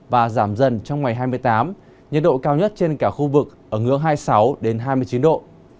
và giảm dần trong ngày hai mươi tám nhiệt độ cao nhất trên cả khu vực ở ngưỡng hai mươi sáu hai mươi chín độ